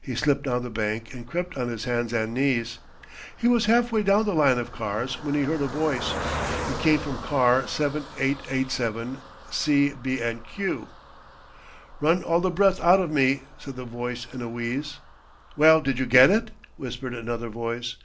He slipped down the bank and crept on his hands and knees. He was halfway down the line of cars when he heard a voice. It came from car 7887, C. B. & Q. "Run all the breath out of me," said the voice in a wheeze. "Well, did you get it?" whispered another voice.